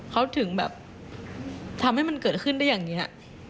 เขาถึงแบบทำให้มันเกิดขึ้นได้อย่างนี้